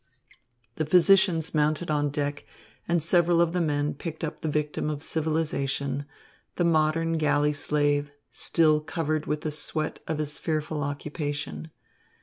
The physicians mounted on deck, and several of the men picked up the victim of civilisation, the modern galley slave, still covered with the sweat of his fearful occupation.